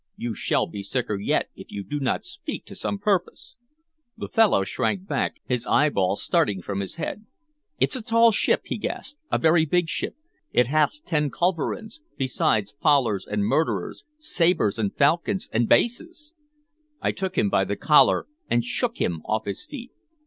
"You shall be sicker yet, if you do not speak to some purpose." The fellow shrank back, his eyeballs starting from his head. "It's a tall ship," he gasped, "a very big ship! It hath ten culverins, beside fowlers and murderers, sabers, falcons, and bases!" I took him by the collar and shook him off his feet.